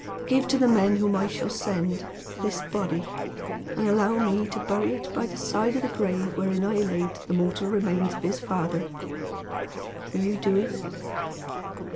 Give to the men whom I shall send, this body, and allow me to bury it by the side of the grave wherein I laid the mortal remains of his father. Will you do it?"